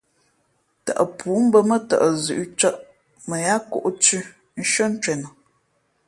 Tαʼ pǔ mbᾱ mά tαʼ zʉ̌ʼ cᾱʼ mα yáá kōʼ thʉ̄ nshʉ́ά ncwenα.